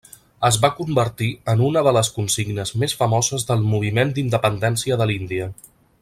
Es va convertir en una de les consignes més famoses del Moviment d'independència de l'Índia.